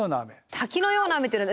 滝のような雨ってのは。